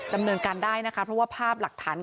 ดำเนินการได้นะคะเพราะว่าภาพหลักฐาน